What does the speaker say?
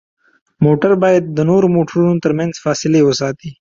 موټر باید د نورو موټرونو ترمنځ فاصلې وساتي.